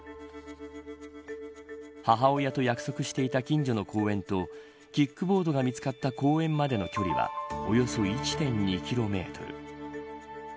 母親と約束していた近所の公園とキックボードが見つかった公園までの距離はおよそ１．２キロメートル。